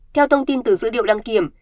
theo thông tin từ dữ liệu đăng kiểm